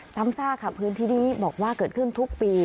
ซ้ำซากค่ะพื้นที่นี้บอกว่าเกิดขึ้นทุกปี